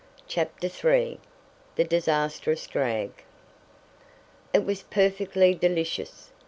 CHAPTER III THE DISASTROUS DRAG "It was perfectly delicious!"